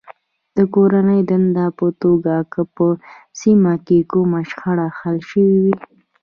د کورنۍ دندې په توګه که په سیمه کې کومه شخړه حل شوې وي.